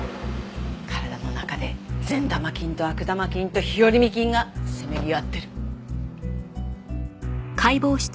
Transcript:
体の中で善玉菌と悪玉菌と日和見菌がせめぎ合ってる。